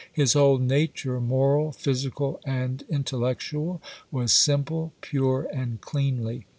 His whole nature, moral, physical, and intellectual, was simple, pure, and cleanly.